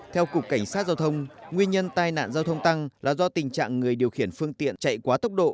theo cục cảnh sát giao thông nguyên nhân tai nạn giao thông tăng là do tình trạng người điều khiển phương tiện chạy quá tốc độ